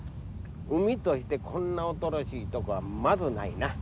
海としてこんなおとろしいとこはまずないな。